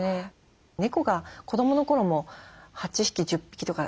猫が子どもの頃も８匹１０匹とかいたんですよ